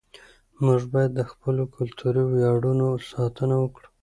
موږ باید د خپلو کلتوري ویاړونو ساتنه وکړو.